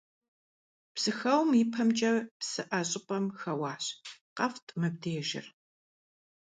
Псыхэуэм и пэмкӀэ псыӀэ щӀыпӀэм хэуащ: «КъэфтӀ мыбдежыр.».